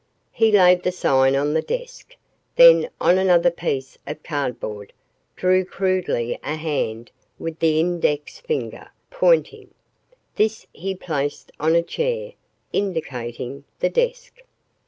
He laid the sign on the desk, then on another piece of cardboard, drew crudely a hand with the index finger, pointing. This he placed on a chair, indicating the desk.